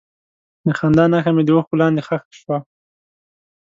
د خندا نښه مې د اوښکو لاندې ښخ شوه.